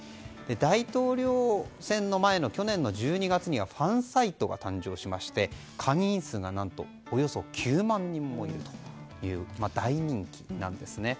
大統領選前の去年１２月にはファンサイトが誕生しまして会員数が何とおよそ９万人もいるということで大人気なんですね。